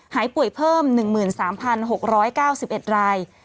หายป่วยเพิ่ม๑๓๖๙๑ราย